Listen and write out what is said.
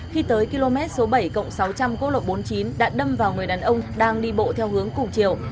khi tới km số bảy cộng sáu trăm linh cố lộ bốn mươi chín đã đâm vào người đàn ông đang đi bộ theo hướng cùng chiều